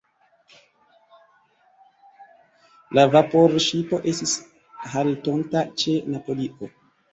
La vaporŝipo estis haltonta ĉe Napolio.